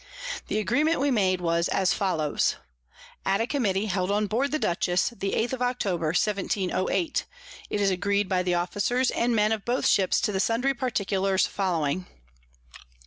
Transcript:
The Agreement we made was as follows. At a Committee held on board the Dutchess the 8_th of October_, 1708. it is agreed by the Officers and Men of both Ships to the sundry Particulars following.